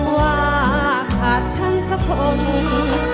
ว่าขาดฉันสักคน